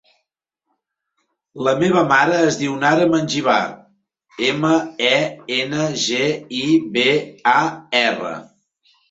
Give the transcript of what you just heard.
La meva mare es diu Nara Mengibar: ema, e, ena, ge, i, be, a, erra.